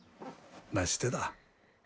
なしてだ。